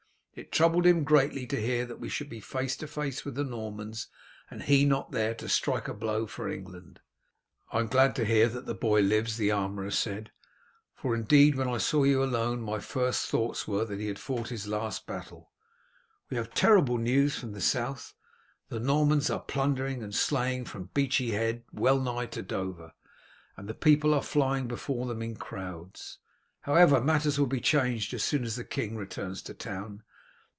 It troubled him greatly to hear that we should be face to face with the Normans, and he not there to strike a blow for England." "I am glad to hear that the boy lives," the armourer said; "for indeed when I saw you alone my first thoughts were that he had fought his last battle. We have terrible news from the South. The Normans are plundering and slaying from Beachy Head well nigh to Dover, and the people are flying before them in crowds. However, matters will be changed as soon as the king returns to town.